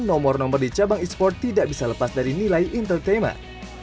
nomor nomor di cabang esports tidak bisa lepas dari nilai entertainment